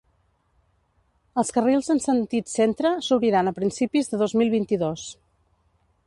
Els carrils en sentit centre s’obriran a principis de dos mil vint-i-dos.